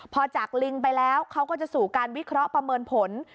พอจากลิงไปแล้วเขาก็จะสู่การวิเคราะห์ประเมินผล